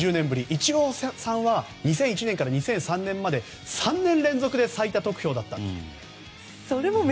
イチローさんは２００１年から２００３年まで３年連続で最多得票だったと。